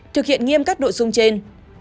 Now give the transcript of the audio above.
thực hiện nghiêm các nội dung trên